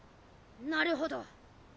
なるほど。